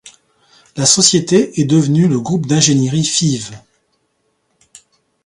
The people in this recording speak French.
La société est devenue le groupe d'ingénierie Fives.